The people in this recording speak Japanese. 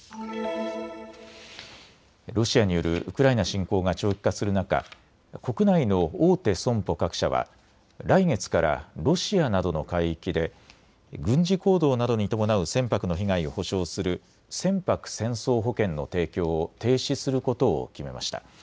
ロシアによるウクライナ侵攻が長期化する中、国内の大手損保各社は来月からロシアなどの海域で軍事行動などに伴う船舶の被害を補償する船舶戦争保険の提供を停止することを決めました。